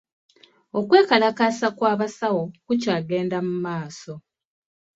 Okwekkalakaasa kw'abasawo kukyagenda mu maaso.